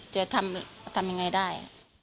จะทำยังไงได้